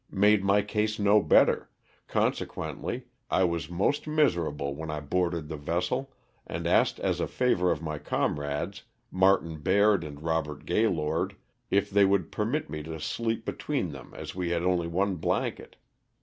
made my case no better, consequently I was most miserable when I boarded the vessel, and asked as a favor of my comrades, Martin Baird and Kobert Gaylord, if they would permit me to sleep between them as we had only one blanket.